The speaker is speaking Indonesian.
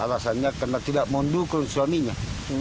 alasannya karena tidak mundur ke suaminya